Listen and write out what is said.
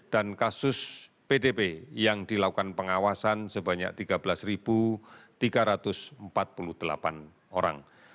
dan kasus pdb yang dilakukan pengawasan sebanyak tiga belas tiga ratus empat puluh delapan orang